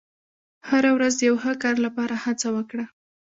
• هره ورځ د یو ښه کار لپاره هڅه وکړه.